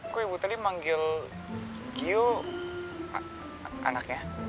kok ibu tadi manggil giyo anaknya